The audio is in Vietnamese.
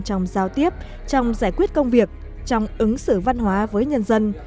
trong giao tiếp trong giải quyết công việc trong ứng xử văn hóa với nhân dân